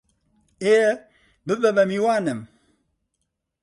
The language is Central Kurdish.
ئێ، ببە بە میوانم!